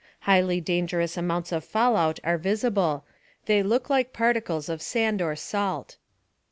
* Highly dangerous amounts of fallout are visible. They look like particles of sand or salt.